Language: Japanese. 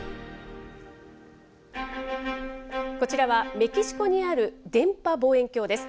こちらはメキシコにある電波望遠鏡です。